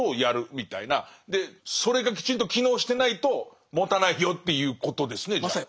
それがきちんと機能してないともたないよっていうことですねじゃあ。